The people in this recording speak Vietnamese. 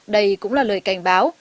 đây cũng là lời cảnh báo